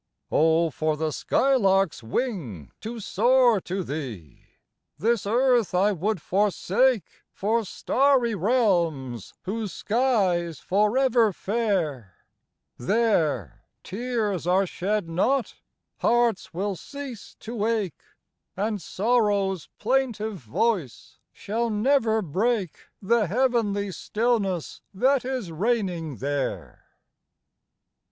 Oh, for the sky lark's wing to soar to thee! This earth I would forsake For starry realms whose sky's forever fair; There, tears are shed not, hearts will cease to ache, And sorrow's plaintive voice shall never break The heavenly stillness that is reigning there.